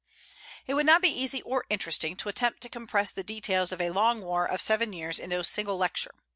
It would not be easy or interesting to attempt to compress the details of a long war of seven years in a single lecture.